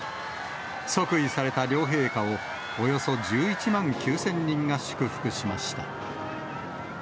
即位された両陛下を、およそ１１万９０００人が祝福しました。